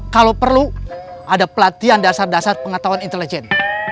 kalau perlu ada pelatihan dasar dasar pengetahuan intelijen